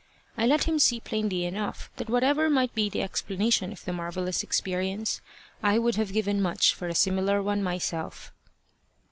I let him see plainly enough, that whatever might be the explanation of the marvellous experience, I would have given much for a similar one myself.